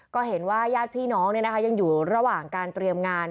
ก็เห็นว่าญาติพี่น้องยังอยู่ระหว่างการเตรียมงาน